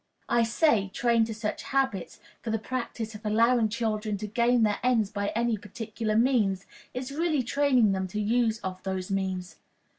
I say, trained to such habits, for the practice of allowing children to gain their ends by any particular means is really training them to the use of those means.